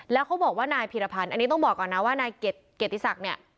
แล้วเขาบอกว่านายพีรพันธ์อันนี้ต้องบอกก่อนนะว่านายเกียรติศักดิ์เนี่ย